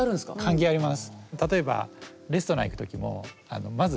関係あります。